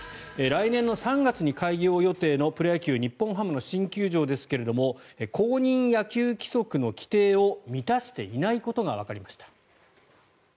来年３月に開業予定のプロ野球日本ハムの新球場ですが公認野球規則の規定を満たしていないことがわかりました。